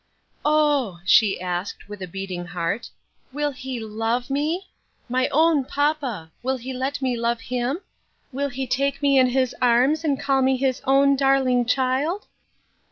"Oh!" she asked, with a beating heart, "will he love me? My own papa! will he let me love him? will he take me in his arms and call me his own darling child?"